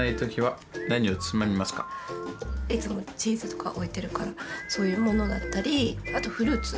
いつもチーズとかを置いてるからそういうものだったりあとフルーツ。